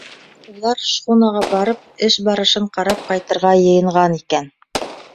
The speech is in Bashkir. Улар шхунаға барып, эш барышын ҡарап ҡайтырға йыйынған икән.